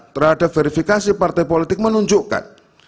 terhadap verifikasi partai politik menunjukkan